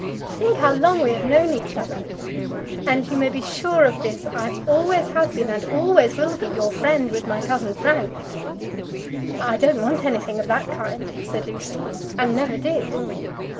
Think how long we have known each other! And you may be sure of this; I always have been, and always will be, your friend with my cousin Frank." "I don't want anything of that kind," said Lucy, "and never did."